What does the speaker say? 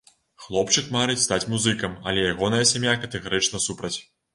Хлопчык марыць стаць музыкам, але ягоная сям'я катэгарычна супраць.